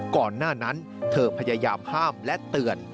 ก่อนหน้านั้นเธอพยายามห้ามและเตือน